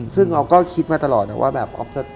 ซึ่งอ๊อฟก็คิดมาตลอดนะว่าแบบ